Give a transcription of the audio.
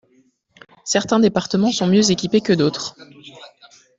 Certains départements sont mieux équipés que d’autres.